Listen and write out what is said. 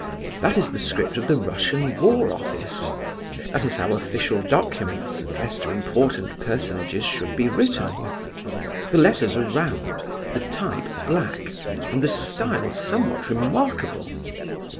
That is the script of the Russian War Office. That is how official documents addressed to important personages should be written. The letters are round, the type black, and the style somewhat remarkable.